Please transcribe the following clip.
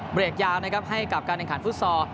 เบรกยาวนะครับให้กับการแข่งขันฟุตซอล